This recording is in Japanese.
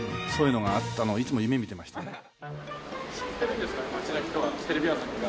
「そういうのがあったのをいつも夢見てましたね」